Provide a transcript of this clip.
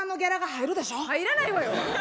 入らないわよ。